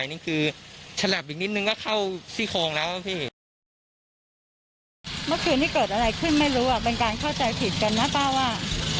เมื่อคืนนี้เกิดอะไรขึ้นไม่รู้อ่ะเป็นการเข้าใจผิดกันนะป้าว่า